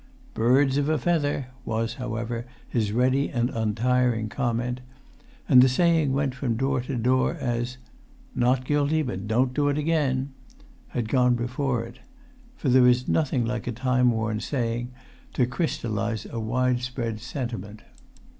"Birds of a feather," was, however, his ready and[Pg 239] untiring comment; and the saying went from door to door, as "not guilty but don't do it again," had gone before it; for there is nothing like a timeworn saying to crystallise a widespread sentiment.